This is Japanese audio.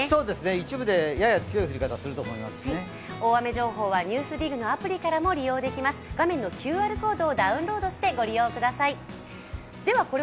一部でやや強い降り方をすると思いますしね大雨情報は「ＮＥＷＳＤＩＧ」のアプリからも利用できます、画面のＱＲコードをダウンロードしてご利用してください。